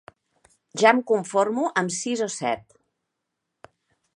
Ja em conformo amb sis o set.